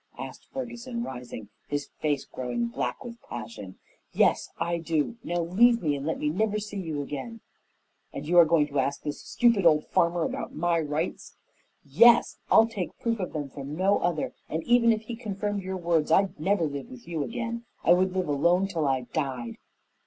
asked Ferguson, rising, his face growing black with passion. "Yes, I do. Now leave me and let me never see you again." "And you are going to ask this stupid old farmer about my rights?" "Yes. I'll take proof of them from no other, and even if he confirmed your words I'd never live with you again. I would live alone till I died!"